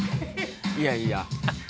いやいや。